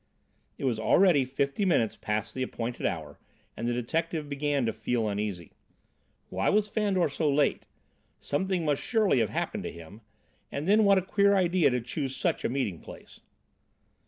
It was already fifty minutes past the appointed hour, and the detective began to feel uneasy. Why was Fandor so late? Something must surely have happened to him! And then what a queer idea to choose such a meeting place!